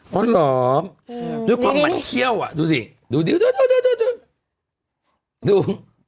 อ๋อเหรอด้วยความมันเขี้ยวอ่ะดูสิดูดูดูดูดูดู